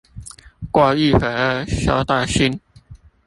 過一會兒收到信